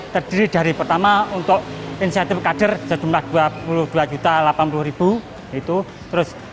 terdiri dari pertama untuk insentif kader sejumlah dua puluh dua delapan puluh